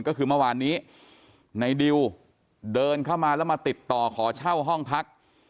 ก็คือเมื่อวานนี้ในดิวเดินเข้ามาแล้วมาติดต่อขอเช่าห้องพัก